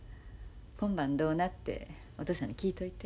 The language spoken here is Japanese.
今晩どうなってお父さんに聞いといて。